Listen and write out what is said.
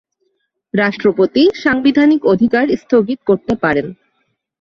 রাষ্ট্রপতি সাংবিধানিক অধিকার স্থগিত করতে পারেন।